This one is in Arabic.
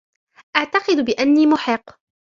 أعتقد بأني محق.